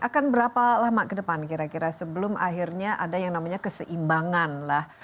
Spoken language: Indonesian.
akan berapa lama ke depan kira kira sebelum akhirnya ada yang namanya keseimbangan lah